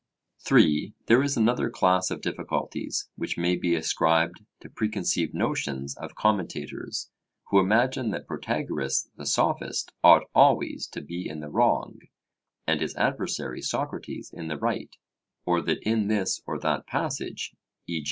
(3) There is another class of difficulties, which may be ascribed to preconceived notions of commentators, who imagine that Protagoras the Sophist ought always to be in the wrong, and his adversary Socrates in the right; or that in this or that passage e.